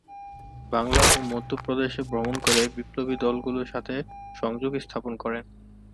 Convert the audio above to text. বাংলা ও মধ্য প্রদেশে ভ্রমণ করে বিপ্লবী দলগুলোর সাথে সংযোগ স্থাপন করেন।